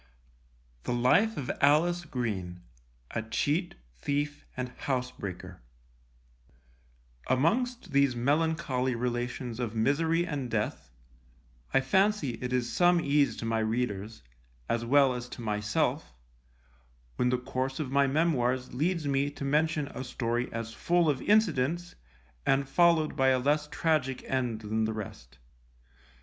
The Life of ALICE GREEN, a Cheat, Thief and Housebreaker Amongst these melancholy relations of misery and death, I fancy it is some ease to my readers, as well as to myself, when the course of my memoirs leads me to mention a story as full of incidents, and followed by a less tragic end than the rest.